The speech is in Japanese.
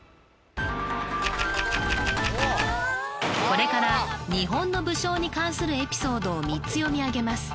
これから日本の武将に関するエピソードを３つ読み上げます